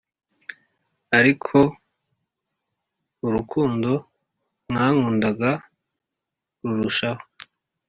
ari ko urukundo mwankundaga rurushaho